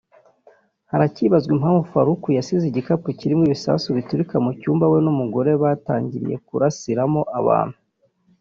Haracyibazwa impamvu Farook yasize igikapu kirimo ibisasu biturika mu cyumba we n’umugore we batangiriye kurasiramo abantu